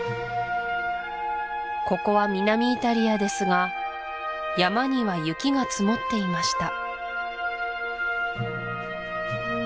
ここは南イタリアですが山には雪が積もっていました